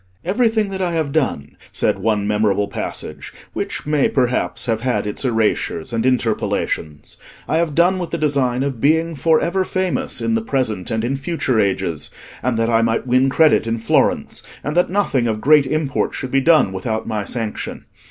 "Everything that I have done," said one memorable passage, which may perhaps have had its erasures and interpolations, "I have done with the design of being for ever famous in the present and in future ages; and that I might win credit in Florence; and that nothing of great import should be done without my sanction.